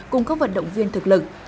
cung cấp vận động viên thực lực